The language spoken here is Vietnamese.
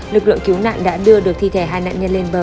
lực lượng cứu nạn đã đưa được thi thể hai nạn nhân lên bờ